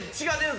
違う。